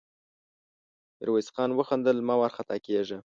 ميرويس خان وخندل: مه وارخطا کېږه!